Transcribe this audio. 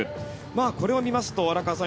これを見ますと荒川さん